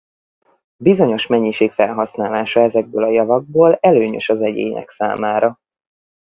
Bizonyos mennyiség felhasználása ezekből a javakból előnyös az egyének számára.